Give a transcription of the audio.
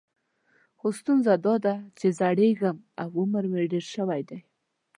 خو ستونزه دا ده چې زړیږم او عمر مې ډېر شوی دی.